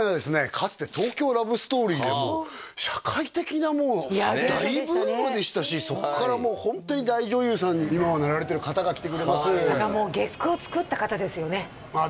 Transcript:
かつて「東京ラブストーリー」でもう社会的なもう大ブームでしたしそっからもうホントに大女優さんに今はなられてる方が来てくれます月９を作った方ですよねああ